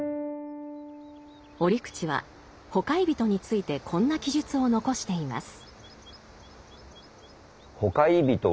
折口は「ほかひゞと」についてこんな記述を残しています。